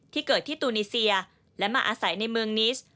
เกิดที่ตูนีเซียและมาอาศัยในเมืองนิส